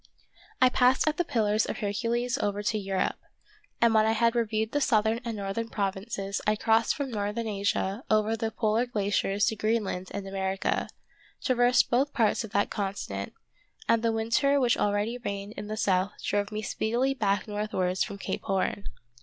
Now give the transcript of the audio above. I passed at the pillars of Hercules over to Europe, and when I had reviewed the southern and northern provinces I crossed from northern Asia over the polar glaciers to Greenland and America; traversed both parts of that continent, and the winter which already reigned in the south drove me speedily back northwards from Cape Horn.